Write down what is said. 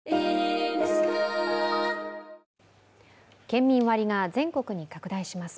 県民割が全国に拡大します。